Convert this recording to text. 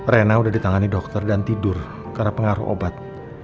rena udah ditangani dokter dan tidur karena pengaruh obat